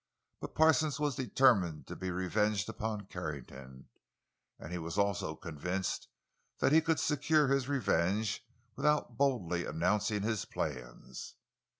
But Parsons was determined to be revenged upon Carrington, and he was convinced that he could secure his revenge without boldly announcing his plans.